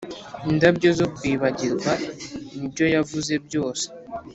indabyo zo kwibagirwa, "nibyo yavuze byose;